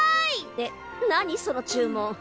えっ何その注文。